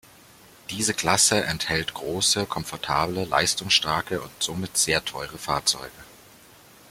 Diese Klasse enthält große, komfortable, leistungsstarke und somit sehr teure Fahrzeuge.